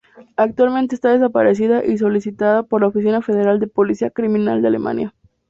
Actualmente está desaparecida y solicitada por la Oficina Federal de Policía Criminal de Alemania.